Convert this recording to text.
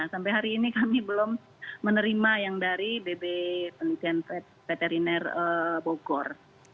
sampai hari ini kami belum menerima yang dari bb penelitian veteriner bogor